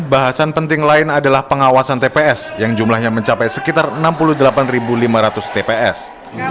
bahasan penting lain adalah pengawasan tps yang jumlahnya mencapai sekitar enam puluh delapan lima ratus tps